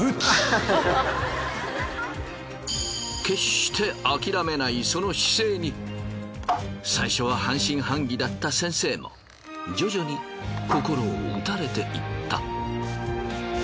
決して諦めないその姿勢に最初は半信半疑だった先生も徐々に心を打たれていった。